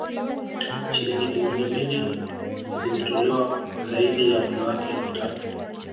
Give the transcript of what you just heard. Shilingi bilioni mbili zimetolewa kwa zaidi ya wanawake elfu tatu